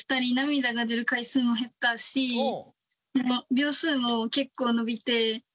秒数も結構伸びて。